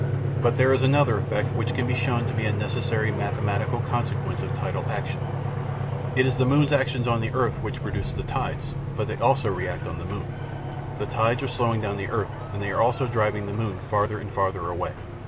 But there is another effect which can be shown to be a necessary mathematical consequence of tidal action. It is the moon's action on the earth which produces the tides, but they also react on the moon. The tides are slowing down the earth, and they are also driving the moon farther and farther away.